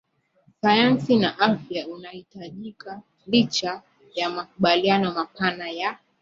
sayansi na afya unahitajikaLicha ya makubaliano mapana ya